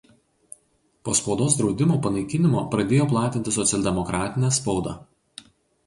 Po spaudos draudimo panaikinimo pradėjo platinti socialdemokratinę spaudą.